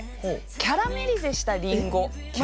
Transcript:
キャラメリゼしたりんご？